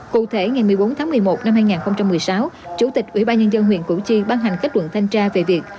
cụ thể ngày một mươi bốn tháng một mươi một năm hai nghìn một mươi sáu chủ tịch ubnd huyện củ chi ban hành kết luận thanh tra về việc